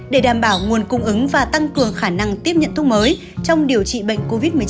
để đảm bảo nguồn cung ứng và tăng cường khả năng tiếp nhận thuốc mới trong điều trị bệnh covid một mươi chín